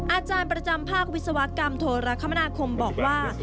อาจารย์ประจำภาควิศวกรรมโทรคมนาคมบอกว่า